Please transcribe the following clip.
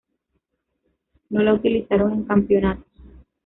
No la utilizaron en campeonatos.